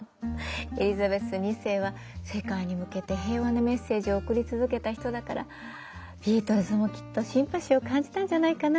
エリザベス２世は世界に向けて平和のメッセージを送り続けた人だからビートルズもきっとシンパシーを感じたんじゃないかな。